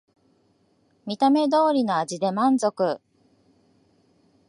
見た目通りの味で満足